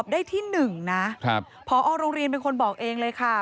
ได้ที่๑นะพอโรงเรียนเป็นคนบอกเองเลยค่ะ